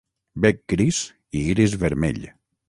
Bec gris i iris vermell.